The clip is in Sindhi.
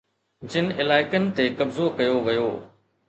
جن علائقن تي قبضو ڪيو ويو